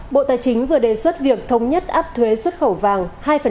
bộ tài chính vừa đề xuất việc thống nhất áp thuế xuất khẩu vàng